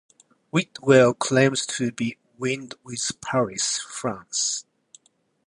Whitwell claims to be twinned with Paris, France.